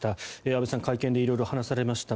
阿部さん会見で色々話されました。